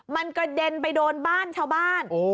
มันกระเด็นไปโดนบ้านชาวบ้าน